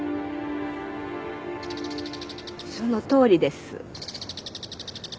そのとおりです。